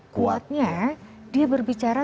kuatnya dia berbicara